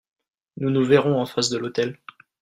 Nous nous verrons en face de l'hôtel.